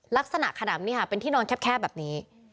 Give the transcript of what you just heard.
ขนำนี่ค่ะเป็นที่นอนแคบแบบนี้